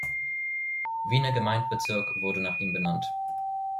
Wiener Gemeindebezirk wurde nach ihm benannt.